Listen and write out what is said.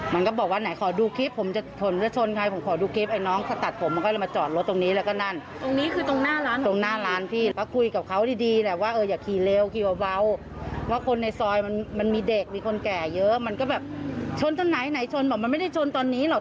มันต้นไหนชนบอกว่ามันไม่ได้ชนตอนนี้หรอก